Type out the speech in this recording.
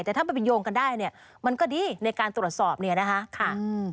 แต่ถ้าไปโยงกันได้เนี่ยมันก็ดีในการตรวจสอบเนี่ยนะคะ